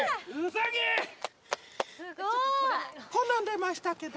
こんなん出ましたけど。